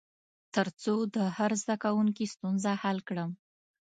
تر څو د هر زده کوونکي ستونزه حل کړم.